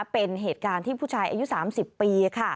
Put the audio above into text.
เป็นเหตุการณ์ที่ผู้ชายอายุ๓๐ปี